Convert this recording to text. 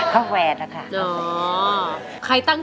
ร้องได้ให้ร้าง